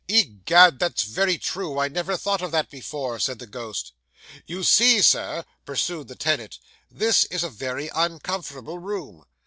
"Egad, that's very true; I never thought of that before," said the ghost. "You see, Sir," pursued the tenant, "this is a very uncomfortable room.